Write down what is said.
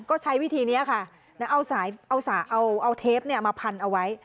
ก็ใช้วิธีนี้ค่ะแล้วเอาเทปมาพันเอาไว้